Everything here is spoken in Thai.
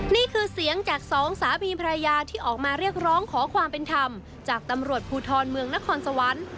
นี่คือเสียงจากสองสามีภรรยาที่ออกมาเรียกร้องขอความเป็นธรรมจากตำรวจภูทรเมืองนครสวรรค์